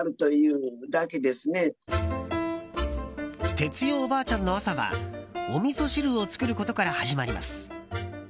哲代おばあちゃんの朝はおみそ汁を作ることから始まります。